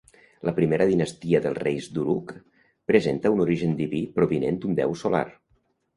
La primera dinastia dels reis d'Uruk presenta un origen diví provinent d'un déu solar.